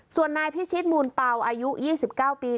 ส่วนนายพิชิตมูลเป่าอายุ๒๙ปี